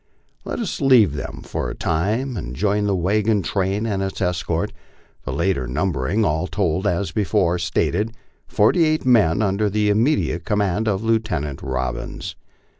Let us leave them for a time and join the wagon train and its escort the latter numbering, all told, as before stated, forty eight men under the imme diate command of Lieutenant Robbins.